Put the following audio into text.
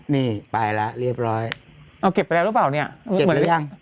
นี่ไปแล้วเรียบร้อยเอาเก็บไปแล้วหรือเปล่าเนี่ยเก็บหมดหรือยัง